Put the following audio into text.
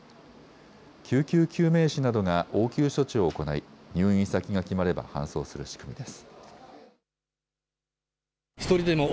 救急救命士などが応急処置を行い入院先が決まれば搬送する仕組みです。